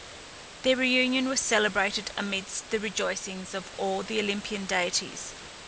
Their reunion was celebrated amidst the rejoicings of all the Olympian deities.